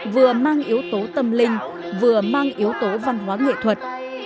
vừa mang yếu tố tâm linh vừa mang yếu tố văn hóa nghệ thuật